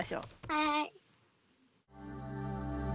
はい。